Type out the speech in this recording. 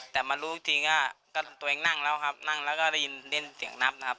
แต่มารู้จริงว่าก็ตัวเองนั่งแล้วครับนั่งแล้วก็ได้ยินเสียงนับนะครับ